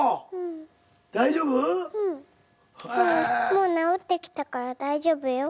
もう治ってきたから大丈夫よ。